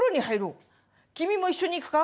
君も一緒にいくか？